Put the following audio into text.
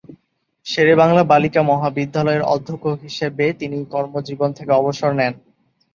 শেরেবাংলা বালিকা মহাবিদ্যালয়ের অধ্যক্ষ হিসেবে তিনি কর্মজীবন থেকে অবসর নেন।